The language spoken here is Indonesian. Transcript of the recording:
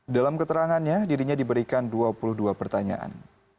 dalam keterangannya dirinya diberikan dua puluh dua pertanyaan